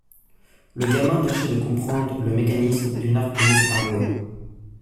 Le gamin tâchait de comprendre le mécanisme d'une arquebuse à rouet.